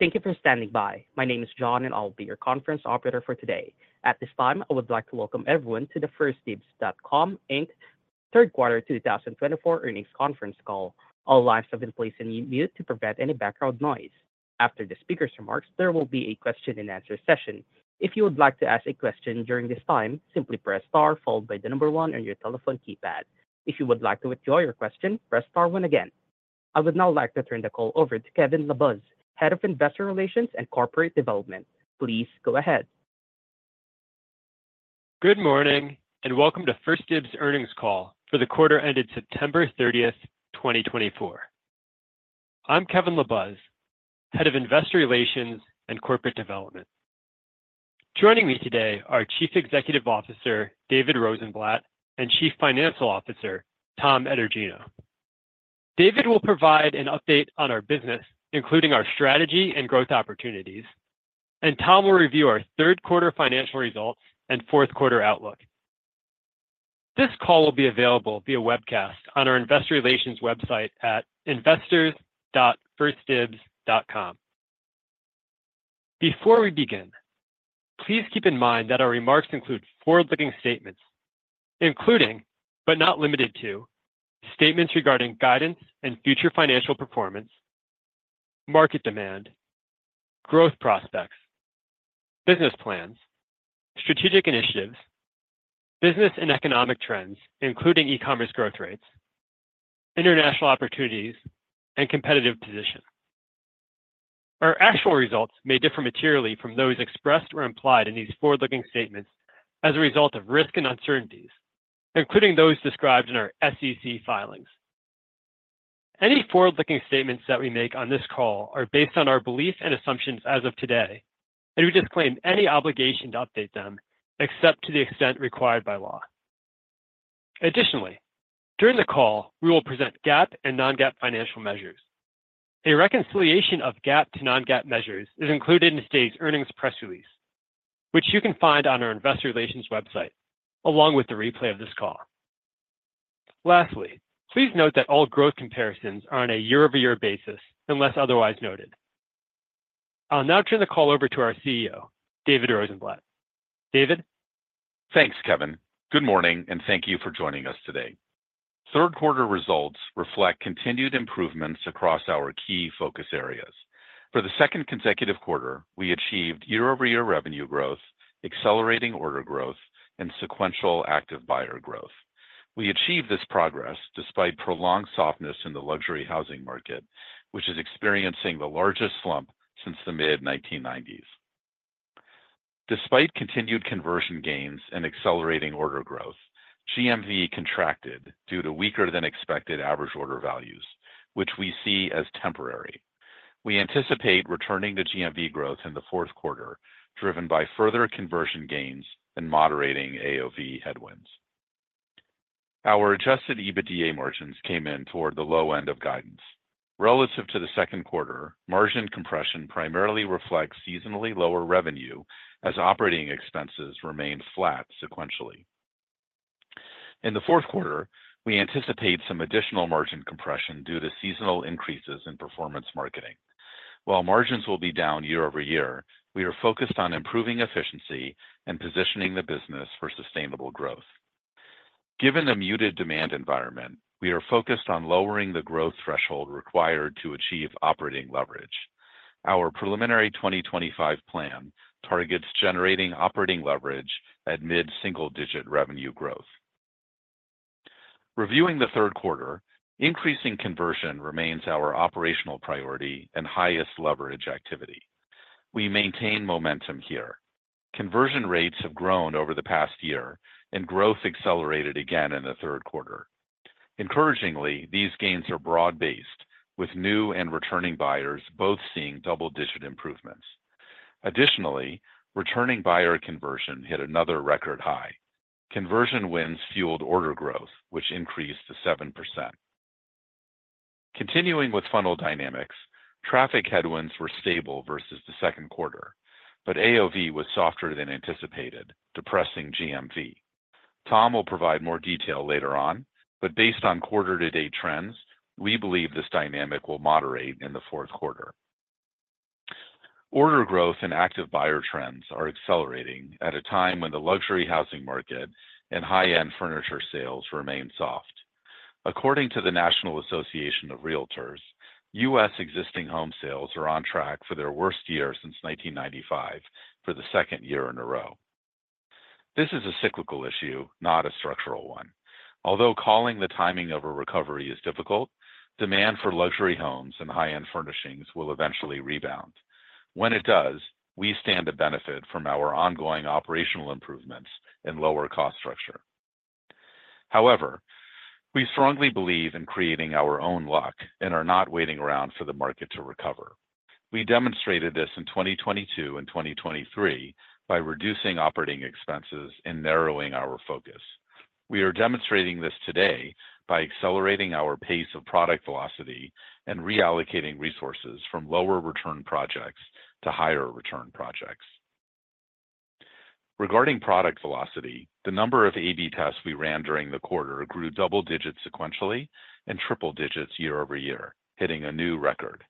Thank you for standing by. My name is John, and I will be your conference operator for today. At this time, I would like to welcome everyone to the 1stDibs.com, Inc. Q3 2024 Earnings Conference Call. All lines have been placed on mute to prevent any background noise. After the speaker's remarks, there will be a question-and-answer session. If you would like to ask a question during this time, simply press star followed by the number one on your telephone keypad. If you would like to withdraw your question, press star one again. I would now like to turn the call over to Kevin LaBuz, Head of Investor Relations and Corporate Development. Please go ahead. Good morning, and welcome to 1stDibs' Earnings Call for the quarter ended September 30th, 2024. I'm Kevin LaBuz, Head of Investor Relations and Corporate Development. Joining me today are Chief Executive Officer David Rosenblatt and Chief Financial Officer Tom Etergino. David will provide an update on our business, including our strategy and growth opportunities, and Tom will review our Q3 financial results and Q4 outlook. This call will be available via webcast on our Investor Relations website at investors.1stdibs.com. Before we begin, please keep in mind that our remarks include forward-looking statements, including, but not limited to, statements regarding guidance and future financial performance, market demand, growth prospects, business plans, strategic initiatives, business and economic trends, including e-commerce growth rates, international opportunities, and competitive position. Our actual results may differ materially from those expressed or implied in these forward-looking statements as a result of risks and uncertainties, including those described in our SEC filings. Any forward-looking statements that we make on this call are based on our beliefs and assumptions as of today, and we disclaim any obligation to update them except to the extent required by law. Additionally, during the call, we will present GAAP and non-GAAP financial measures. A reconciliation of GAAP to non-GAAP measures is included in today's earnings press release, which you can find on our Investor Relations website along with the replay of this call. Lastly, please note that all growth comparisons are on a year-over-year basis unless otherwise noted. I'll now turn the call over to our CEO, David Rosenblatt. David. Thanks, Kevin. Good morning, and thank you for joining us today. Q3 results reflect continued improvements across our key focus areas. For the second consecutive quarter, we achieved year-over-year revenue growth, accelerating order growth, and sequential active buyer growth. We achieved this progress despite prolonged softness in the luxury housing market, which is experiencing the largest slump since the mid-1990s. Despite continued conversion gains and accelerating order growth, GMV contracted due to weaker-than-expected average order values, which we see as temporary. We anticipate returning to GMV growth in Q4, driven by further conversion gains and moderating AOV headwinds. Our adjusted EBITDA margins came in toward the low end of guidance. Relative to Q2, margin compression primarily reflects seasonally lower revenue as operating expenses remained flat sequentially. In Q4, we anticipate some additional margin compression due to seasonal increases in performance marketing. While margins will be down year-over-year, we are focused on improving efficiency and positioning the business for sustainable growth. Given the muted demand environment, we are focused on lowering the growth threshold required to achieve operating leverage. Our preliminary 2025 plan targets generating operating leverage at mid-single-digit revenue growth. Reviewing Q3, increasing conversion remains our operational priority and highest leverage activity. We maintain momentum here. Conversion rates have grown over the past year, and growth accelerated again in Q3. Encouragingly, these gains are broad-based, with new and returning buyers both seeing double-digit improvements. Additionally, returning buyer conversion hit another record high. Conversion wins fueled order growth, which increased to 7%. Continuing with funnel dynamics, traffic headwinds were stable versus Q2, but AOV was softer than anticipated, depressing GMV. Tom will provide more detail later on, but based on quarter-to-date trends, we believe this dynamic will moderate in Q4. Order growth and active buyer trends are accelerating at a time when the luxury housing market and high-end furniture sales remain soft. According to the National Association of Realtors, U.S. existing home sales are on track for their worst year since 1995 for the second year in a row. This is a cyclical issue, not a structural one. Although calling the timing of a recovery is difficult, demand for luxury homes and high-end furnishings will eventually rebound. When it does, we stand to benefit from our ongoing operational improvements and lower cost structure. However, we strongly believe in creating our own luck and are not waiting around for the market to recover. We demonstrated this in 2022 and 2023 by reducing operating expenses and narrowing our focus. We are demonstrating this today by accelerating our pace of product velocity and reallocating resources from lower-return projects to higher-return projects. Regarding product velocity, the number of A/B tests we ran during the quarter grew double digits sequentially and triple digits year-over-year, hitting a new record.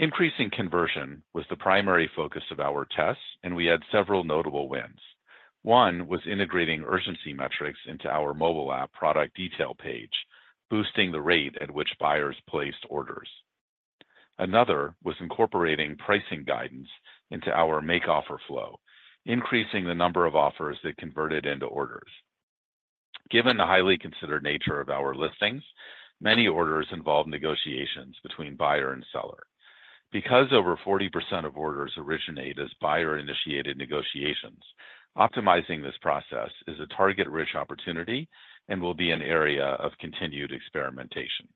Increasing conversion was the primary focus of our tests, and we had several notable wins. One was integrating urgency metrics into our mobile app product detail page, boosting the rate at which buyers placed orders. Another was incorporating pricing guidance into our make-offer flow, increasing the number of offers that converted into orders. Given the highly considered nature of our listings, many orders involve negotiations between buyer and seller. Because over 40% of orders originate as buyer-initiated negotiations, optimizing this process is a target-rich opportunity and will be an area of continued experimentation.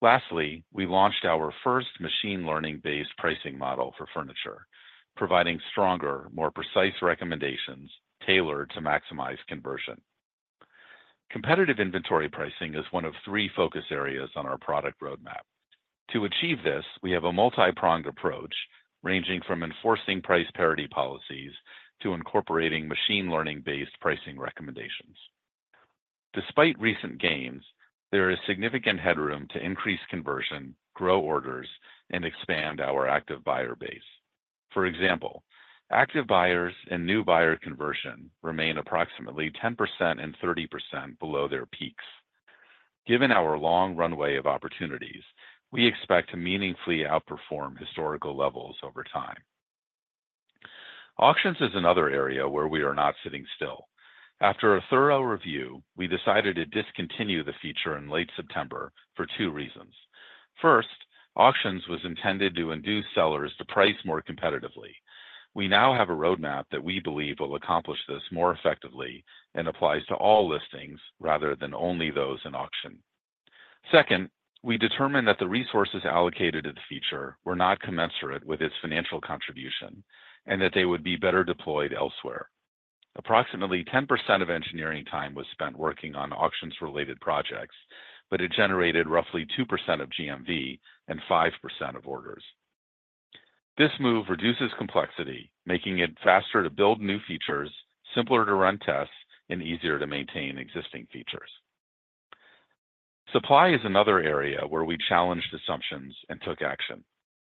Lastly, we launched our first machine-learning-based pricing model for furniture, providing stronger, more precise recommendations tailored to maximize conversion. Competitive inventory pricing is one of three focus areas on our product roadmap. To achieve this, we have a multi-pronged approach ranging from enforcing price parity policies to incorporating machine-learning-based pricing recommendations. Despite recent gains, there is significant headroom to increase conversion, grow orders, and expand our active buyer base. For example, active buyers and new buyer conversion remain approximately 10% and 30% below their peaks. Given our long runway of opportunities, we expect to meaningfully outperform historical levels over time. Auctions is another area where we are not sitting still. After a thorough review, we decided to discontinue the feature in late September for two reasons. First, auctions was intended to induce sellers to price more competitively. We now have a roadmap that we believe will accomplish this more effectively and applies to all listings rather than only those in auction. Second, we determined that the resources allocated to the feature were not commensurate with its financial contribution and that they would be better deployed elsewhere. Approximately 10% of engineering time was spent working on auctions-related projects, but it generated roughly 2% of GMV and 5% of orders. This move reduces complexity, making it faster to build new features, simpler to run tests, and easier to maintain existing features. Supply is another area where we challenged assumptions and took action.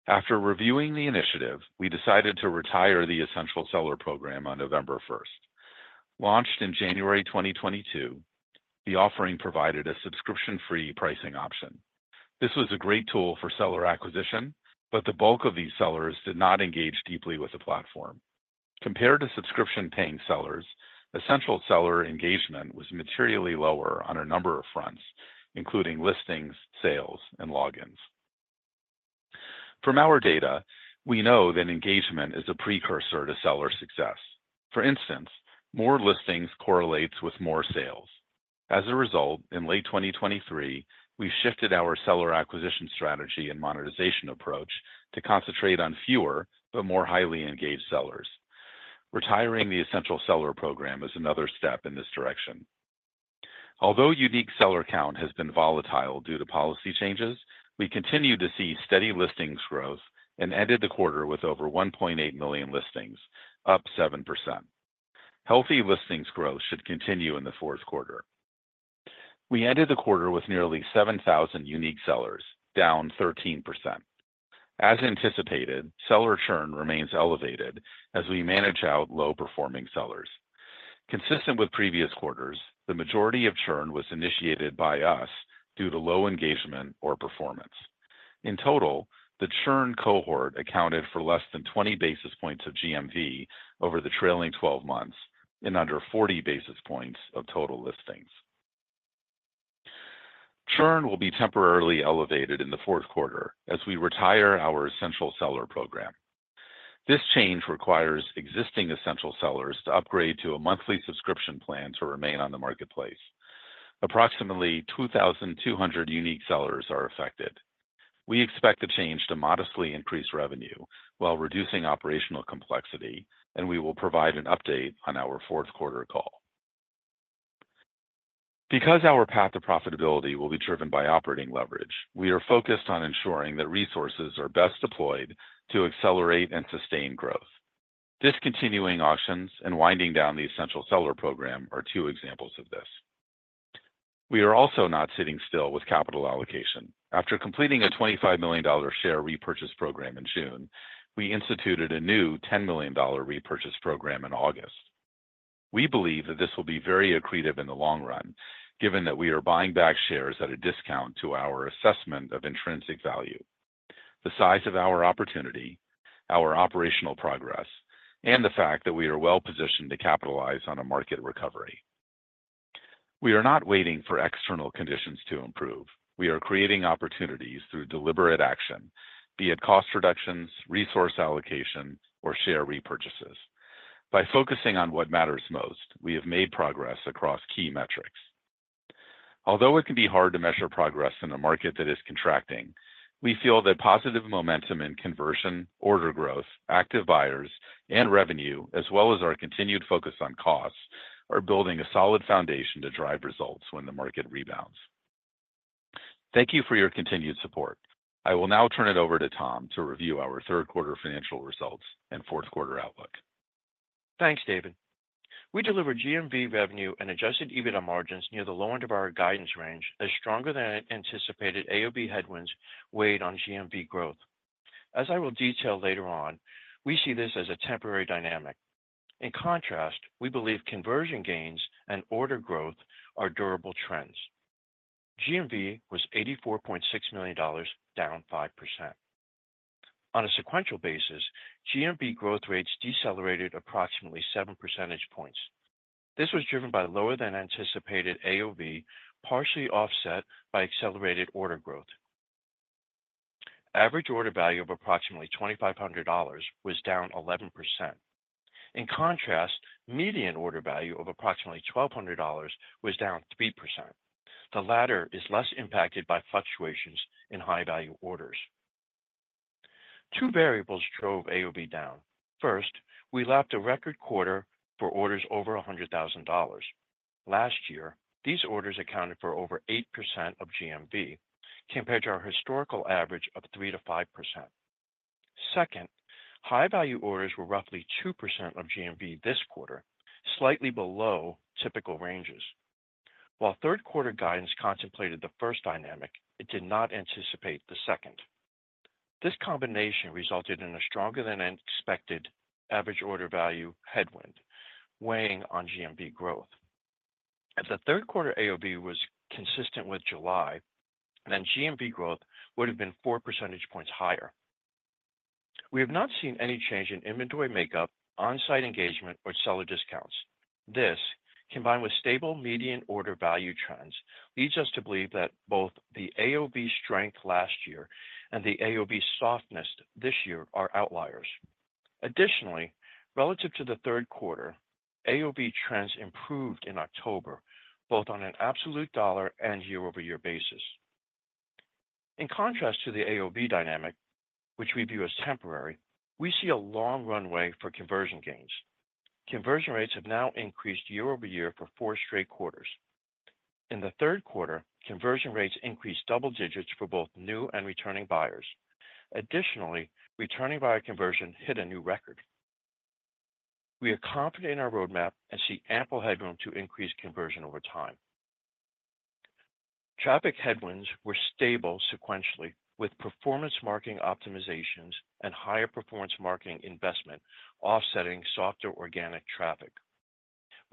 After reviewing the initiative, we decided to retire the Essential Seller Program on November 1st. Launched in January 2022, the offering provided a subscription-free pricing option. This was a great tool for seller acquisition, but the bulk of these sellers did not engage deeply with the platform. Compared to subscription-paying sellers, essential seller engagement was materially lower on a number of fronts, including listings, sales, and logins. From our data, we know that engagement is a precursor to seller success. For instance, more listings correlates with more sales. As a result, in late 2023, we shifted our seller acquisition strategy and monetization approach to concentrate on fewer but more highly engaged sellers. Retiring the Essential Seller Program is another step in this direction. Although unique seller count has been volatile due to policy changes, we continue to see steady listings growth and ended the quarter with over 1.8 million listings, up 7%. Healthy listings growth should continue in Q4. We ended the quarter with nearly 7,000 unique sellers, down 13%. As anticipated, seller churn remains elevated as we manage out low-performing sellers. Consistent with previous quarters, the majority of churn was initiated by us due to low engagement or performance. In total, the churn cohort accounted for less than 20 basis points of GMV over the trailing 12 months and under 40 basis points of total listings. Churn will be temporarily elevated in Q4 as we retire our Essential Seller Program. This change requires existing essential sellers to upgrade to a monthly subscription plan to remain on the marketplace. Approximately 2,200 unique sellers are affected. We expect the change to modestly increase revenue while reducing operational complexity, and we will provide an update on our Q4 call. Because our path to profitability will be driven by operating leverage, we are focused on ensuring that resources are best deployed to accelerate and sustain growth. Discontinuing auctions and winding down the Essential Seller Program are two examples of this. We are also not sitting still with capital allocation. After completing a $25 million share repurchase program in June, we instituted a new $10 million repurchase program in August. We believe that this will be very accretive in the long run, given that we are buying back shares at a discount to our assessment of intrinsic value, the size of our opportunity, our operational progress, and the fact that we are well-positioned to capitalize on a market recovery. We are not waiting for external conditions to improve. We are creating opportunities through deliberate action, be it cost reductions, resource allocation, or share repurchases. By focusing on what matters most, we have made progress across key metrics. Although it can be hard to measure progress in a market that is contracting, we feel that positive momentum in conversion, order growth, active buyers, and revenue, as well as our continued focus on costs, are building a solid foundation to drive results when the market rebounds. Thank you for your continued support. I will now turn it over to Tom to review our Q3 financial results and Q4 outlook. Thanks, David. We delivered GMV revenue and adjusted EBITDA margins near the low end of our guidance range as stronger than anticipated AOV headwinds weighed on GMV growth. As I will detail later on, we see this as a temporary dynamic. In contrast, we believe conversion gains and order growth are durable trends. GMV was $84.6 million, down 5%. On a sequential basis, GMV growth rates decelerated approximately 7 percentage points. This was driven by lower-than-anticipated AOV, partially offset by accelerated order growth. Average order value of approximately $2,500 was down 11%. In contrast, median order value of approximately $1,200 was down 3%. The latter is less impacted by fluctuations in high-value orders. Two variables drove AOV down. First, we lapped a record quarter for orders over $100,000. Last year, these orders accounted for over 8% of GMV compared to our historical average of 3%-5%. Second, high-value orders were roughly 2% of GMV this quarter, slightly below typical ranges. While Q3 guidance contemplated the first dynamic, it did not anticipate the second. This combination resulted in a stronger-than-expected average order value headwind, weighing on GMV growth. If the Q3 AOV was consistent with July, then GMV growth would have been 4 percentage points higher. We have not seen any change in inventory makeup, on-site engagement, or seller discounts. This, combined with stable median order value trends, leads us to believe that both the AOV strength last year and the AOV softness this year are outliers. Additionally, relative to Q3, AOV trends improved in October, both on an absolute dollar and year-over-year basis. In contrast to the AOV dynamic, which we view as temporary, we see a long runway for conversion gains. Conversion rates have now increased year-over-year for four straight quarters. In Q3, conversion rates increased double digits for both new and returning buyers. Additionally, returning buyer conversion hit a new record. We are confident in our roadmap and see ample headroom to increase conversion over time. Traffic headwinds were stable sequentially, with performance marketing optimizations and higher performance marketing investment offsetting softer organic traffic.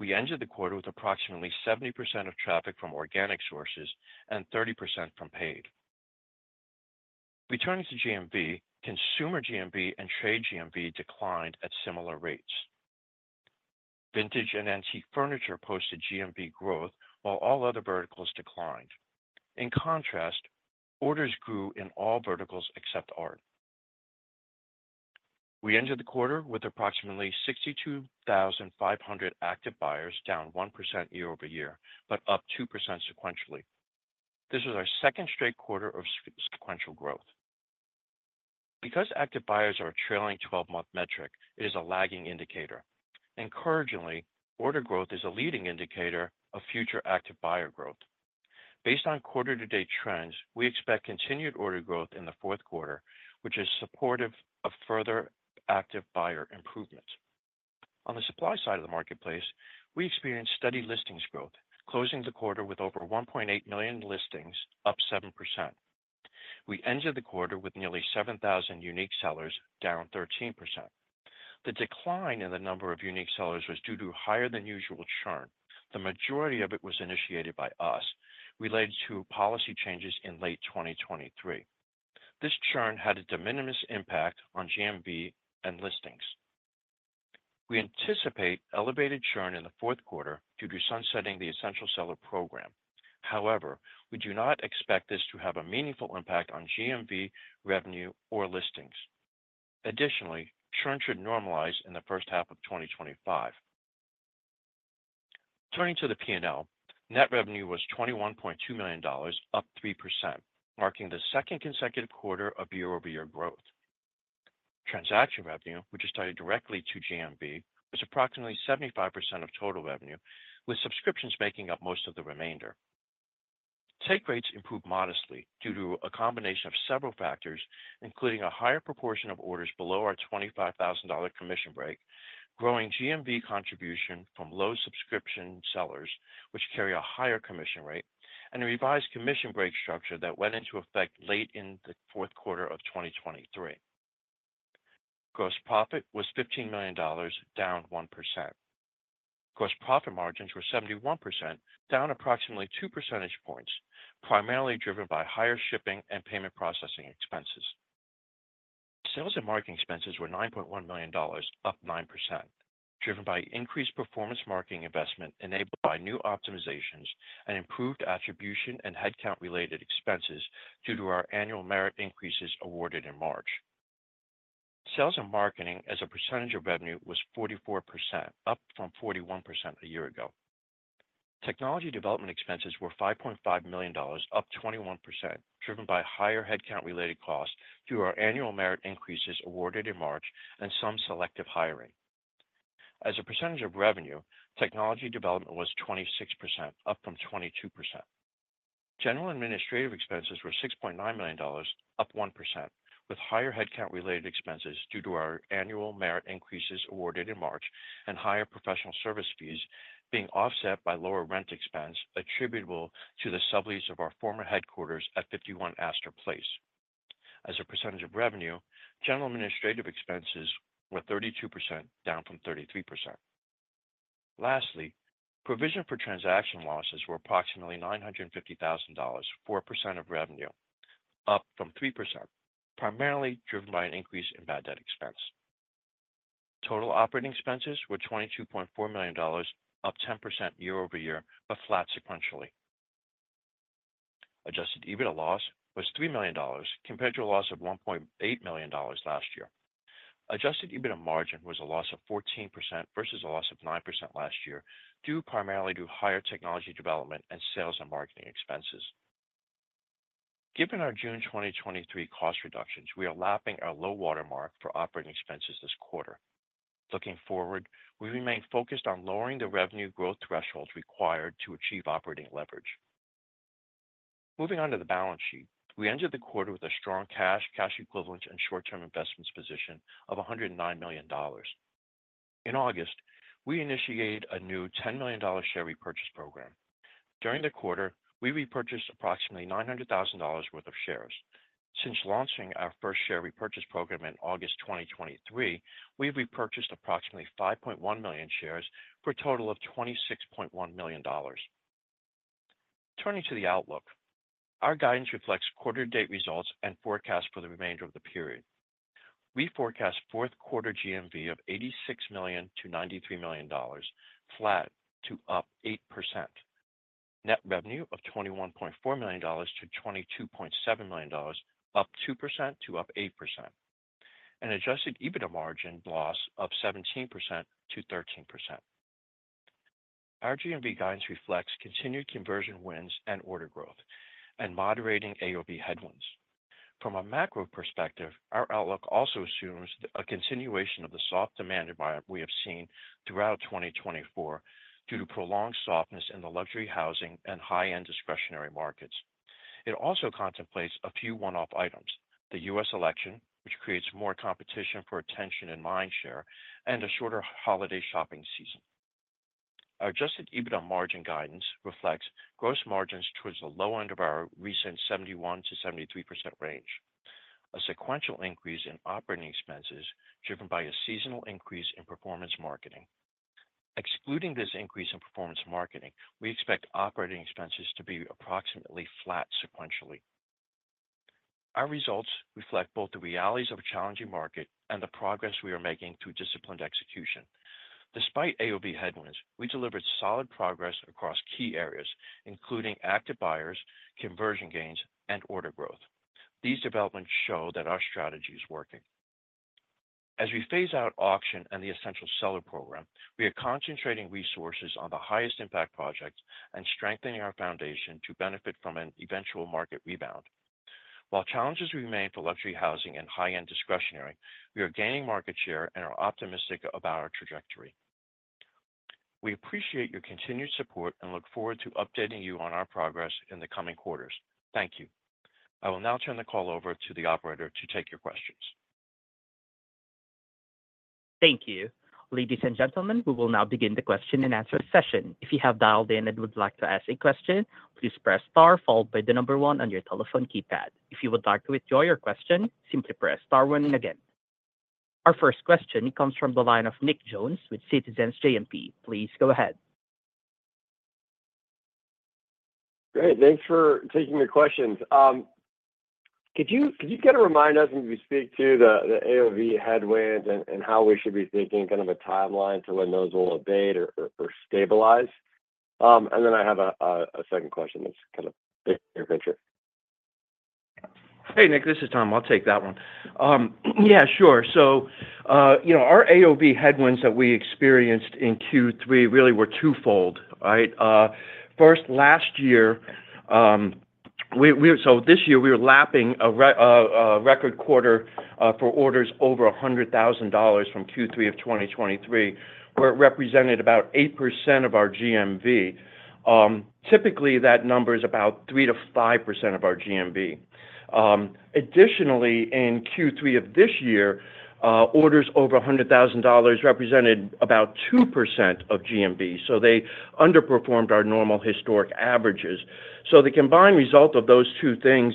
We ended the quarter with approximately 70% of traffic from organic sources and 30% from paid. Returning to GMV, consumer GMV and trade GMV declined at similar rates. Vintage and antique furniture posted GMV growth, while all other verticals declined. In contrast, orders grew in all verticals except art. We ended the quarter with approximately 62,500 active buyers, down 1%YoY but up 2% sequentially. This was our second straight quarter of sequential growth. Because active buyers are a trailing 12-month metric, it is a lagging indicator. Encouragingly, order growth is a leading indicator of future active buyer growth. Based on quarter-to-date trends, we expect continued order growth in Q4, which is supportive of further active buyer improvement. On the supply side of the marketplace, we experienced steady listings growth, closing the quarter with over 1.8 million listings, up 7%. We ended the quarter with nearly 7,000 unique sellers, down 13%. The decline in the number of unique sellers was due to higher-than-usual churn. The majority of it was initiated by us, related to policy changes in late 2023. This churn had a de minimis impact on GMV and listings. We anticipate elevated churn in Q4 due to sunsetting the Essential Seller Program. However, we do not expect this to have a meaningful impact on GMV, revenue, or listings. Additionally, churn should normalize in the first half of 2025. Turning to the P&L, net revenue was $21.2 million, up 3%, marking the second consecutive quarter of year-over-year growth. Transaction revenue, which is tied directly to GMV, was approximately 75% of total revenue, with subscriptions making up most of the remainder. Take rates improved modestly due to a combination of several factors, including a higher proportion of orders below our $25,000 commission break, growing GMV contribution from low-subscription sellers, which carry a higher commission rate, and a revised commission break structure that went into effect late in Q4 of 2023. Gross profit was $15 million, down 1%. Gross profit margins were 71%, down approximately 2 percentage points, primarily driven by higher shipping and payment processing expenses. Sales and marketing expenses were $9.1 million, up 9%, driven by increased performance marketing investment enabled by new optimizations and improved attribution and headcount-related expenses due to our annual merit increases awarded in March. Sales and marketing, as a percentage of revenue, was 44%, up from 41% a year ago. Technology development expenses were $5.5 million, up 21%, driven by higher headcount-related costs through our annual merit increases awarded in March and some selective hiring. As a percentage of revenue, technology development was 26%, up from 22%. General administrative expenses were $6.9 million, up 1%, with higher headcount-related expenses due to our annual merit increases awarded in March and higher professional service fees being offset by lower rent expense attributable to the sublease of our former headquarters at 51 Astor Place. As a percentage of revenue, general administrative expenses were 32%, down from 33%. Lastly, provision for transaction losses were approximately $950,000, 4% of revenue, up from 3%, primarily driven by an increase in bad debt expense. Total operating expenses were $22.4 million, up 10% YoY, but flat sequentially. Adjusted EBITDA loss was $3 million compared to a loss of $1.8 million last year. Adjusted EBITDA margin was a loss of 14% versus a loss of 9% last year, due primarily to higher technology development and sales and marketing expenses. Given our June 2023 cost reductions, we are lapping our low watermark for operating expenses this quarter. Looking forward, we remain focused on lowering the revenue growth thresholds required to achieve operating leverage. Moving on to the balance sheet, we ended the quarter with a strong cash, cash equivalents, and short-term investments position of $109 million. In August, we initiated a new $10 million share repurchase program. During the quarter, we repurchased approximately $900,000 worth of shares. Since launching our first share repurchase program in August 2023, we've repurchased approximately 5.1 million shares for a total of $26.1 million. Turning to the outlook, our guidance reflects quarter-to-date results and forecasts for the remainder of the period. We forecast Q4 GMV of $86 million-$93 million, flat to up 8%. Net revenue of $21.4 million-$22.7 million, up 2%-8%, and Adjusted EBITDA margin loss of 17%-13%. Our GMV guidance reflects continued conversion wins and order growth and moderating AOV headwinds. From a macro perspective, our outlook also assumes a continuation of the soft demand environment we have seen throughout 2024 due to prolonged softness in the luxury housing and high-end discretionary markets. It also contemplates a few one-off items: the U.S. election, which creates more competition for attention and mind share, and a shorter holiday shopping season. Our adjusted EBITDA margin guidance reflects gross margins towards the low end of our recent 71%-73% range, a sequential increase in operating expenses driven by a seasonal increase in performance marketing. Excluding this increase in performance marketing, we expect operating expenses to be approximately flat sequentially. Our results reflect both the realities of a challenging market and the progress we are making through disciplined execution. Despite AOV headwinds, we delivered solid progress across key areas, including active buyers, conversion gains, and order growth. These developments show that our strategy is working. As we phase out auction and the Essential Seller Program, we are concentrating resources on the highest-impact projects and strengthening our foundation to benefit from an eventual market rebound. While challenges remain for luxury housing and high-end discretionary, we are gaining market share and are optimistic about our trajectory. We appreciate your continued support and look forward to updating you on our progress in the coming quarters. Thank you. I will now turn the call over to the operator to take your questions. Thank you. Ladies and gentlemen, we will now begin the question and answer session. If you have dialed in and would like to ask a question, please press star followed by the number one on your telephone keypad. If you would like to withdraw your question, simply press star one again. Our first question comes from the line of Nick Jones with Citizens JMP. Please go ahead. Great. Thanks for taking the questions. Could you kind of remind us when we speak to the AOV headwinds and how we should be thinking, kind of a timeline to when those will abate or stabilize? And then I have a second question that's kind of bigger picture. Hey, Nick, this is Tom. I'll take that one. Yeah, sure. So our AOV headwinds that we experienced in Q3 really were twofold, right? First, last year, so this year, we were lapping a record quarter for orders over $100,000 from Q3 of 2023, where it represented about 8% of our GMV. Typically, that number is about 3%-5% of our GMV. Additionally, in Q3 of this year, orders over $100,000 represented about 2% of GMV, so they underperformed our normal historic averages. So the combined result of those two things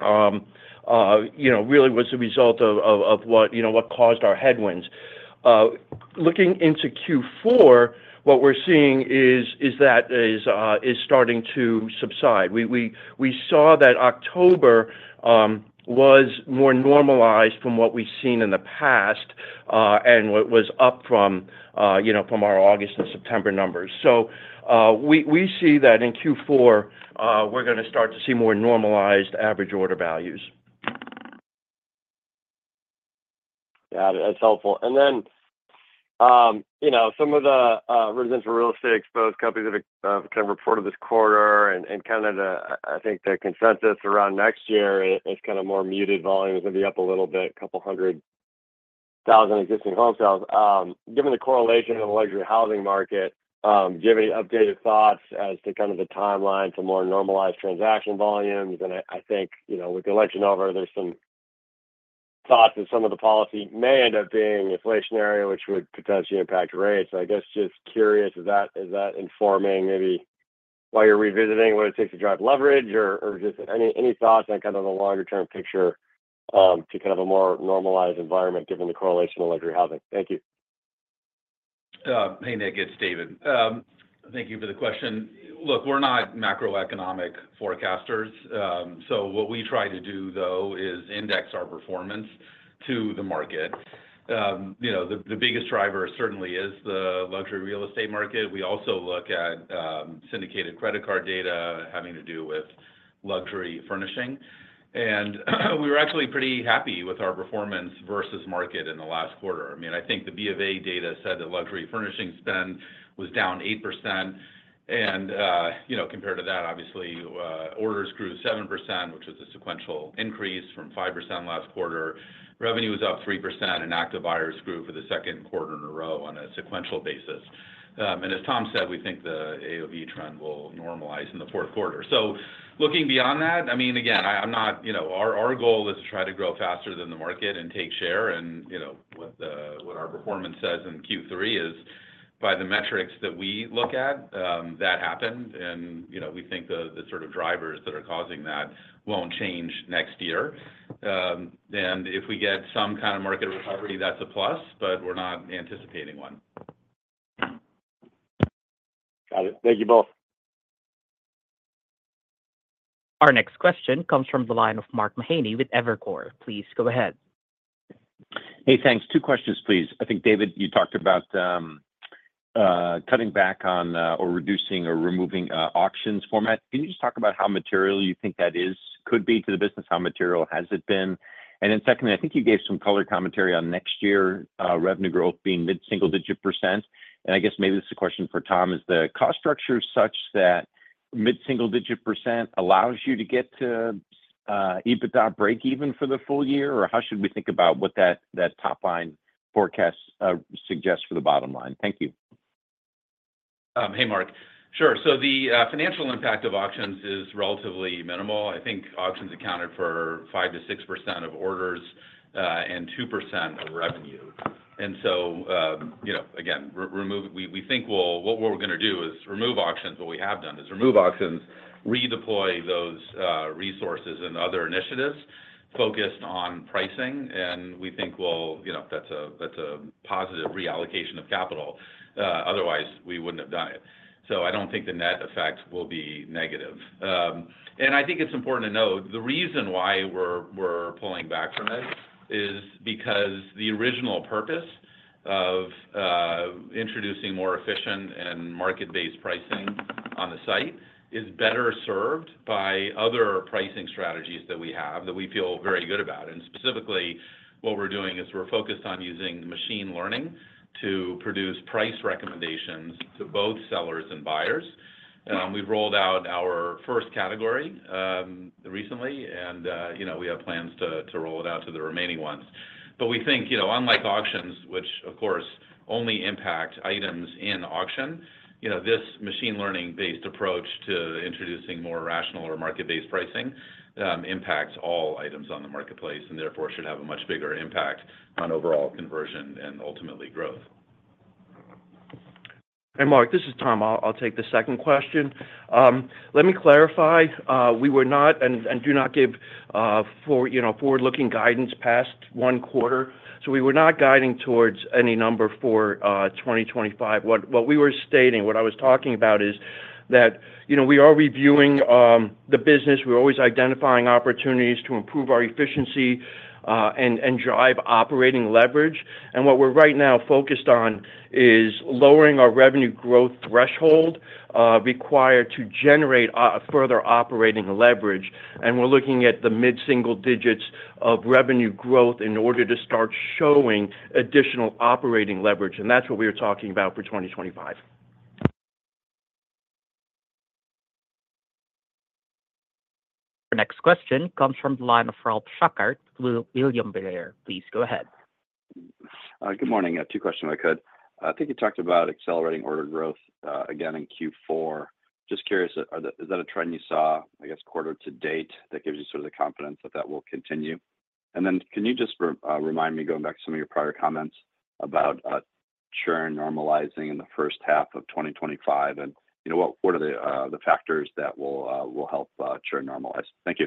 really was the result of what caused our headwinds. Looking into Q4, what we're seeing is that is starting to subside. We saw that October was more normalized from what we've seen in the past and was up from our August and September numbers. We see that in Q4, we're going to start to see more normalized average order values. Yeah, that's helpful. And then some of the residential real estate exposed companies that have kind of reported this quarter and kind of, I think, the consensus around next year is kind of more muted. Volumes are going to be up a little bit, a couple hundred thousand existing home sales. Given the correlation in the luxury housing market, do you have any updated thoughts as to kind of the timeline to more normalized transaction volumes? And I think with the election over, there's some thoughts that some of the policy may end up being inflationary, which would potentially impact rates. I guess just curious, is that informing maybe why you're revisiting what it takes to drive leverage, or just any thoughts on kind of the longer-term picture to kind of a more normalized environment given the correlation in luxury housing? Thank you. Hey, Nick, it's David. Thank you for the question. Look, we're not macroeconomic forecasters. So what we try to do, though, is index our performance to the market. The biggest driver certainly is the luxury real estate market. We also look at syndicated credit card data having to do with luxury furnishing, and we were actually pretty happy with our performance versus market in the last quarter. I mean, I think the B of A data said that luxury furnishing spend was down 8%. And compared to that, obviously, orders grew 7%, which was a sequential increase from 5% last quarter. Revenue was up 3%, and active buyers grew for the second quarter in a row on a sequential basis, and as Tom said, we think the AOV trend will normalize in the fourth quarter. Looking beyond that, I mean, again, our goal is to try to grow faster than the market and take share. What our performance says in Q3 is, by the metrics that we look at, that happened. We think the sort of drivers that are causing that won't change next year. If we get some kind of market recovery, that's a plus, but we're not anticipating one. Got it. Thank you both. Our next question comes from the line of Mark Mahaney with Evercore. Please go ahead. Hey, thanks. Two questions, please. I think, David, you talked about cutting back on or reducing or removing auctions format. Can you just talk about how material you think that could be to the business? How material has it been? And then secondly, I think you gave some color commentary on next year's revenue growth being mid-single-digit percent. And I guess maybe this is a question for Tom: is the cost structure such that mid-single-digit percent allows you to get to EBITDA break-even for the full year, or how should we think about what that top-line forecast suggests for the bottom line? Thank you. Hey, Mark. Sure. So the financial impact of auctions is relatively minimal. I think auctions accounted for 5%-6% of orders and 2% of revenue. And so again, we think what we're going to do is remove auctions. What we have done is remove auctions, redeploy those resources and other initiatives focused on pricing. And we think that's a positive reallocation of capital. Otherwise, we wouldn't have done it. So I don't think the net effect will be negative. And I think it's important to note the reason why we're pulling back from it is because the original purpose of introducing more efficient and market-based pricing on the site is better served by other pricing strategies that we have that we feel very good about. And specifically, what we're doing is we're focused on using machine learning to produce price recommendations to both sellers and buyers. We've rolled out our first category recently, and we have plans to roll it out to the remaining ones. But we think, unlike auctions, which, of course, only impact items in auction, this machine learning-based approach to introducing more rational or market-based pricing impacts all items on the marketplace and therefore should have a much bigger impact on overall conversion and ultimately growth. Hey, Mark, this is Tom. I'll take the second question. Let me clarify. We were not and do not give forward-looking guidance past one quarter. So we were not guiding towards any number for 2025. What we were stating, what I was talking about, is that we are reviewing the business. We're always identifying opportunities to improve our efficiency and drive operating leverage, and what we're right now focused on is lowering our revenue growth threshold required to generate further operating leverage, and we're looking at the mid-single digits of revenue growth in order to start showing additional operating leverage, and that's what we were talking about for 2025. Our next question comes from the line of Ralph Schackart with William Blair. Please go ahead. Good morning. Two questions, if I could. I think you talked about accelerating order growth again in Q4. Just curious, is that a trend you saw, I guess, quarter to date that gives you sort of the confidence that that will continue? And then can you just remind me, going back to some of your prior comments about churn normalizing in the first half of 2025, and what are the factors that will help churn normalize? Thank you.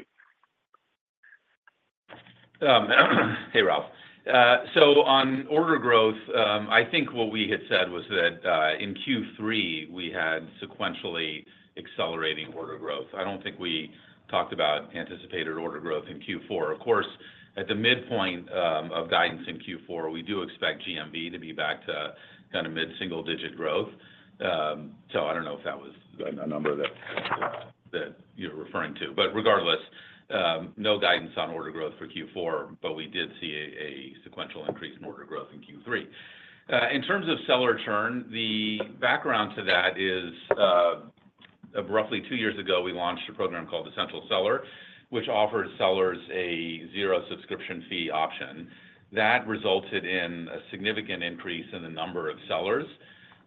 Hey, Ralph. So on order growth, I think what we had said was that in Q3, we had sequentially accelerating order growth. I don't think we talked about anticipated order growth in Q4. Of course, at the midpoint of guidance in Q4, we do expect GMV to be back to kind of mid-single-digit growth. So I don't know if that was a number that you're referring to. But regardless, no guidance on order growth for Q4, but we did see a sequential increase in order growth in Q3. In terms of seller churn, the background to that is roughly two years ago, we launched a program called Essential Seller, which offered sellers a zero-subscription fee option. That resulted in a significant increase in the number of sellers.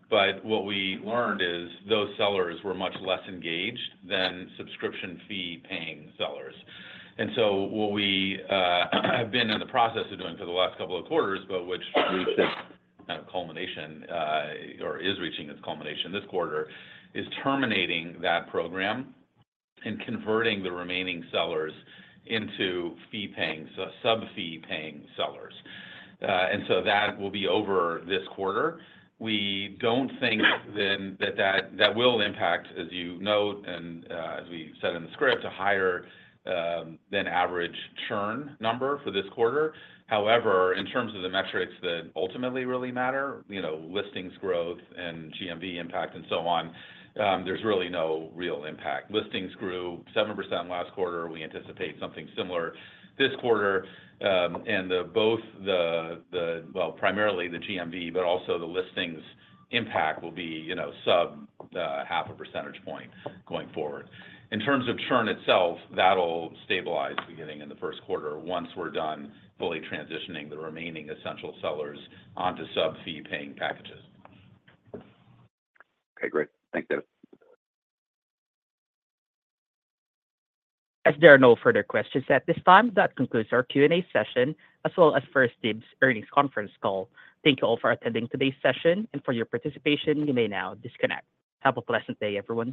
But what we learned is those sellers were much less engaged than subscription fee-paying sellers. And so what we have been in the process of doing for the last couple of quarters, but which reached its kind of culmination or is reaching its culmination this quarter, is terminating that program and converting the remaining sellers into fee-paying, sub-fee-paying sellers. And so that will be over this quarter. We don't think then that that will impact, as you note and as we said in the script, a higher-than-average churn number for this quarter. However, in terms of the metrics that ultimately really matter, listings growth and GMV impact and so on, there's really no real impact. Listings grew 7% last quarter. We anticipate something similar this quarter. And both the, well, primarily the GMV, but also the listings impact will be sub half a percentage point going forward. In terms of churn itself, that'll stabilize beginning in the first quarter once we're done fully transitioning the remaining essential sellers onto subscription-fee-paying packages. Okay, great. Thank you. As there are no further questions at this time, that concludes our Q&A session, as well as 1stDibs' earnings conference call. Thank you all for attending today's session. And for your participation, you may now disconnect. Have a pleasant day everyone.